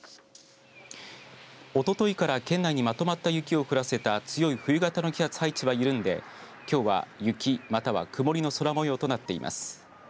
おとといから県内にまとまった雪を降らせた強い冬型の気圧配置が緩んできょうは雪または曇りの空もようになっています。